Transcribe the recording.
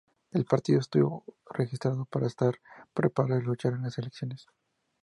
El partido estuvo registrado "para estar preparado y luchar en las elecciones".